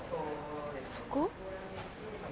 そこ？